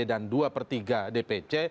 dan dua per tiga dpc